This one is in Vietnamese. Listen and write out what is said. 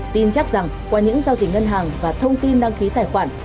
tin chắc rằng qua những giao dịch ngân hàng và thông tin đăng ký tài khoản